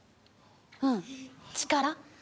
うん力。